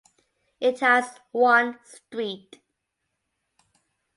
It has one street.